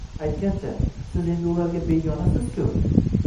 Aytgancha, siz endi ularga begonasiz-ku